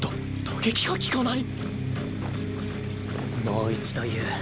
もう一度言う。